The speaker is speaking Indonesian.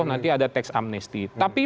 nanti ada tax amnesty tapi